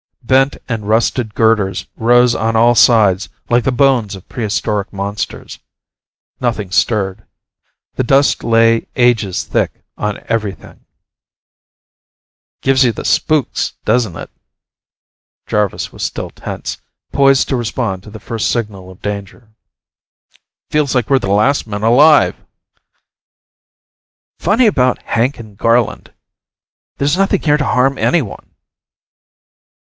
Bent and rusted girders rose on all sides like the bones of prehistoric monsters. Nothing stirred. The dust lay ages thick on everything. "Gives you the spooks, doesn't it?" Jarvis was still tense, poised to respond to the first signal of danger. "Feels like we're the last men alive!" "Funny about Hank and Garland. There's nothing here to harm anyone."